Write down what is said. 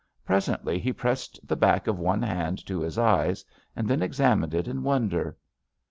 Presently he pressed the back of one hand to his eyes and then ex amined it in wonder.